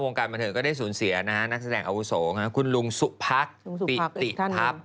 การบันเทิงก็ได้สูญเสียนะฮะนักแสดงอาวุโสคุณลุงสุพักปิติทัพ